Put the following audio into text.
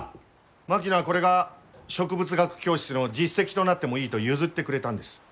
槙野はこれが植物学教室の実績となってもいいと譲ってくれたんです。